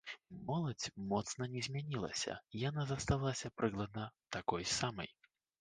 Моладзь моцна не змянілася, яна засталася прыкладна такой самай.